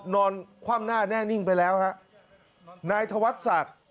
นอนคว่ำหน้าแน่นิ่งไปแล้วฮะนายธวัฒน์ศักดิ์